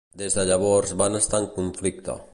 Des de llavors van estar en conflicte.